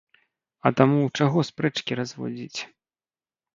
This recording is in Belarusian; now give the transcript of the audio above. А таму чаго спрэчкі разводзіць?